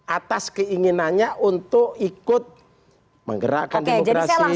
atas keinginannya untuk ikut menggerakkan demokrasi